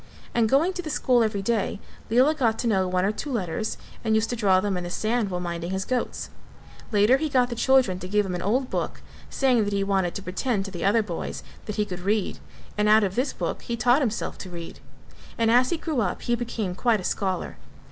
And going to the school every day Lela got to know one or two letters and used to draw them in the sand while minding his goats; later he got the children to give him an old book saying that he wanted to pretend to the other boys that he could read and out of this book he taught himself to read: and as he grew up he became quite a scholar.